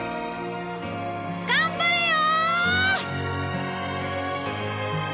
頑張れよ！